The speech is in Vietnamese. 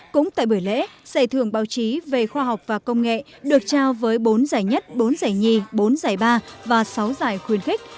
cũng tại buổi lễ giải thưởng báo chí về khoa học và công nghệ được trao với bốn giải nhất bốn giải nhì bốn giải ba và sáu giải khuyên khích